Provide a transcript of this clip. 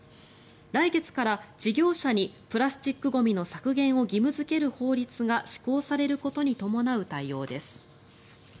来月から事業者にプラスチックゴミの削減を義務付ける法律が施行されることに伴う対応です。